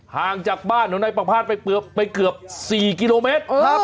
ห่างจากบ้านของนายประพาทไปเกือบ๔กิโลเมตร